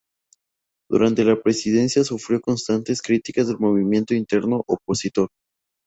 Durante su presidencia sufrió constantes críticas del movimiento interno opositor.